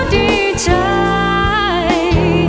ดีใจ